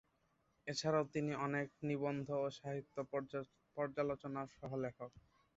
এছাড়াও তিনি অনেক নিবন্ধ ও সাহিত্য পর্যালোচনার সহ-লেখক।